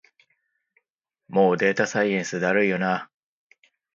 もうデータサイエンスだるいよな